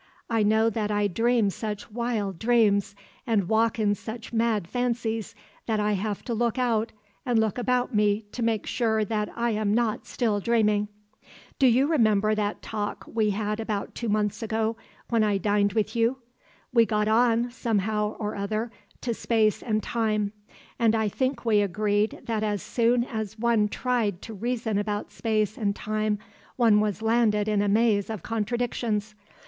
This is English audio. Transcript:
I know that I dream such wild dreams and walk in such mad fancies that I have to look out and look about me to make sure that I am not still dreaming. "Do you remember that talk we had about two months ago when I dined with you? We got on, somehow or other, to space and time, and I think we agreed that as soon as one tried to reason about space and time one was landed in a maze of contradictions.